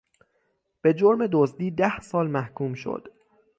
به جرم دزدی ده سال محکوم شد.